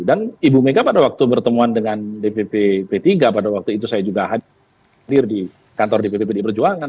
dan ibu mega pada waktu pertemuan dengan dpp p tiga pada waktu itu saya juga hadir di kantor dpp di berjuangan